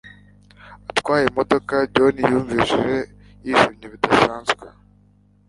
Atwaye imodoka, John yumvise yishimye bidasanzwe.